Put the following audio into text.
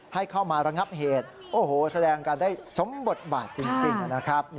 ให้เข้ามาระงับเหตุโอ้โหแสดงกันได้สมบทบาทจริงนะครับ